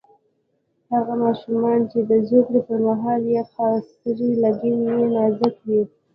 هغه ماشومان چې د زوکړې پر مهال یې خاصرې لګن یې نازک وي.